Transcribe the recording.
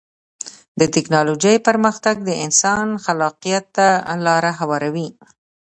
د ټکنالوجۍ پرمختګ د انسان خلاقیت ته لاره هواروي.